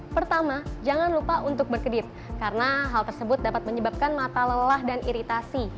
pertama jangan lupa untuk berkedip karena hal tersebut dapat menyebabkan mata lelah dan iritasi